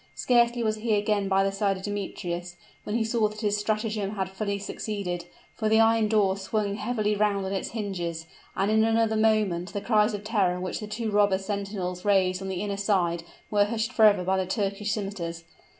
Scarcely was he again by the side of Demetrius, when he saw that his stratagem had fully succeeded; for the iron door swung heavily round on its hinges and in another moment the cries of terror which the two robber sentinels raised on the inner side, were hushed forever by the Turkish scimiters.